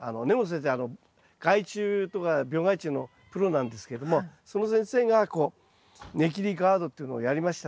害虫とか病害虫のプロなんですけれどもその先生がこうネキリガードっていうのをやりましたので。